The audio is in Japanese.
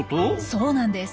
そうなんです。